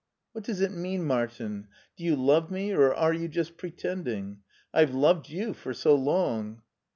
What does it mean, Martin? Do you love me, or are you just pretending? I've loved you for so long."